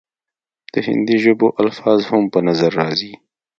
د هندي ژبو الفاظ هم پۀ نظر راځي،